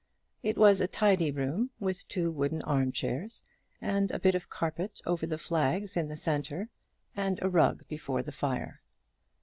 It was a tidy room, with two wooden armchairs, and a bit of carpet over the flags in the centre, and a rug before the fire.